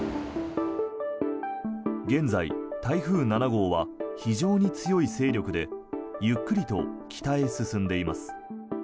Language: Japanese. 現在、台風７号は非常に強い勢力でゆっくりと北へ進んでいます。